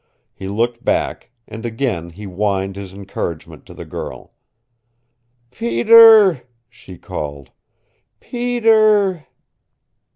He looked back, and again he whined his encouragement to the girl. "Peter!" she called. "Peter!"